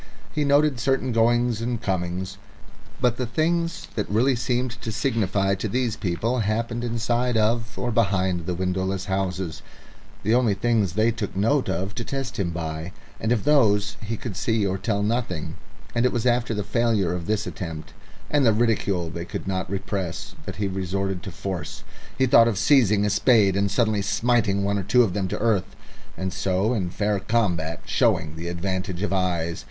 He noted certain goings and comings, but the things that really seemed to signify to these people happened inside of or behind the windowless houses the only things they took note of to test him by and of these he could see or tell nothing; and it was after the failure of this attempt, and the ridicule they could not repress, that he resorted to force. He thought of seizing a spade and suddenly smiting one or two of them to earth, and so in fair combat showing the advantage of eyes.